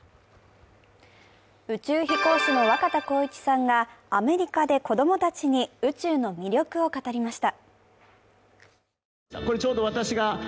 宇宙飛行士の若田光一さんがアメリカで子供たちに宇宙の魅力を語りました。